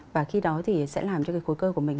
và khi đó thì sẽ làm cho cái khối cơ của mình